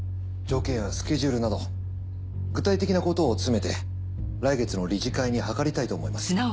条件やスケジュールなど具体的なことを詰めて来月の理事会に諮りたいと思います。